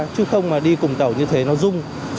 chứ không mà đi cùng tàu như thế nó dung